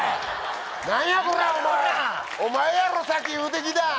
何やコラお前お前やろ先言うてきたん